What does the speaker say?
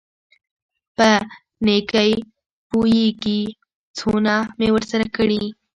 په نېکۍ پوېېږي څونه مې ورسره کړي.